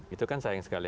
itu kan sayang sekali